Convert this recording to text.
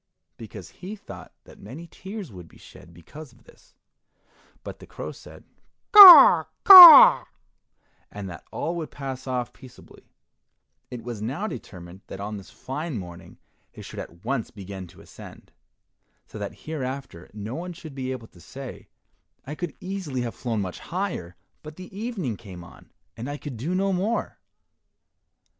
because he thought that many tears would be shed because of this; but the crow said, "Caw, caw," and that all would pass off peaceably. It was now determined that on this fine morning they should at once begin to ascend, so that hereafter no one should be able to say, "I could easily have flown much higher, but the evening came on, and I could do no more."